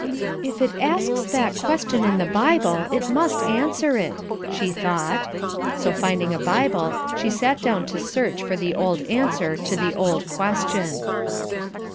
"If it asks that question in the Bible, it must answer it," she thought. So finding a Bible, she sat down to search for the old answer to the old question.